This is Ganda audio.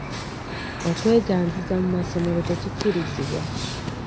Okweganziza mu massomero tekikkirizibwa.